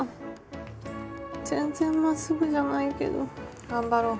全然まっすぐじゃないけど頑張ろう。